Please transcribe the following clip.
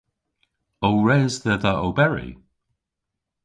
O res dhedha oberi?